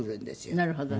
なるほどね。